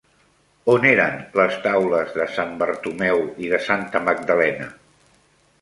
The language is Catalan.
On eren les taules de Sant Bartomeu i de santa Magdalena?